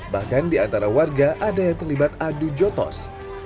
bahkan di antara warga ada yang terlibat adu jotos